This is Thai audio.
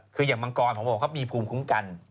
คืออย่างมังกรผมบอกเขามีภูมิคุ้มกัน